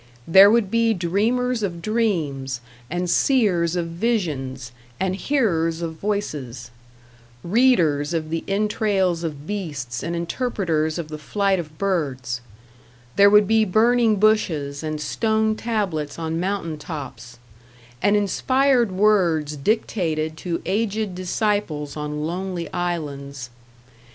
There would be dreamers of dreams and seers of visions and hearers of voices; readers of the entrails of beasts and interpreters of the flight of birds; there would be burning bushes and stone tablets on mountain tops, and inspired words dictated to aged disciples on lonely islands.